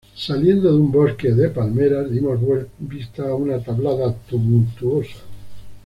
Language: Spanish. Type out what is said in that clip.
saliendo de un bosque de palmeras, dimos vista a una tablada tumultuosa